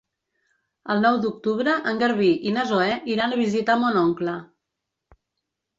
El nou d'octubre en Garbí i na Zoè iran a visitar mon oncle.